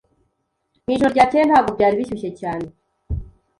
Mu ijoro ryakeye ntabwo byari bishyushye cyane.